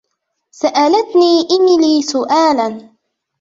سألتني إيميلي سؤالاً.